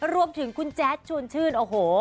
รวมถึงคุณแจ๊ดชวนชื่นโอ้โห